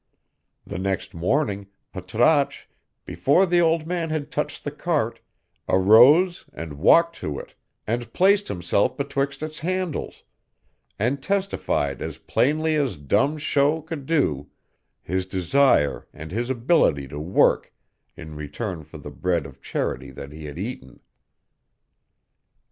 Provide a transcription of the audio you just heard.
The next morning, Patrasche, before the old man had touched the cart, arose and walked to it and placed himself betwixt its handles, and testified as plainly as dumb show could do his desire and his ability to work in return for the bread of charity that he had eaten.